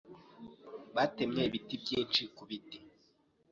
Batemye ibiti byinshi kubiti.